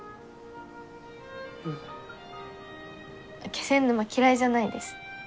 気仙沼嫌いじゃないです。